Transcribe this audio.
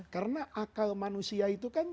karena akal manusia itu kan